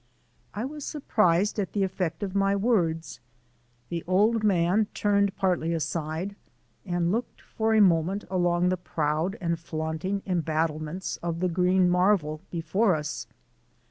I was surprised at the effect of my words. The old man turned partly aside and looked for a moment along the proud and flaunting embattlements of the green marvel before us.